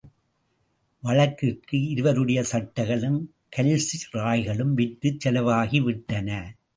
வழக்கிற்கு இருவருடைய சட்டைகளும், கால்சிராய்களும் விற்று செலவாகி விட்டன.